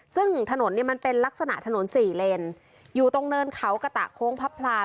ซึ่งถนนเนี่ยมันเป็นลักษณะถนนสี่เลนอยู่ตรงเนินเขากระตะโค้งพับพลา